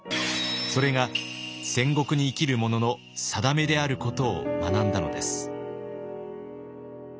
それが戦国に生きる者の定めであることを学んだのです。